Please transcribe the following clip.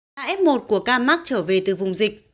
hai f một của ca mắc trở về từ vùng dịch